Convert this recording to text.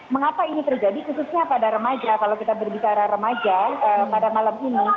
mengapa ini terjadi khususnya pada remaja kalau kita berbicara remaja pada malam ini